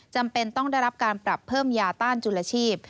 จำเป็นต้องได้รับการปรับเพิ่มยาต้านจุลชีพ